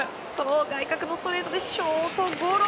外角のストレートでショートゴロ。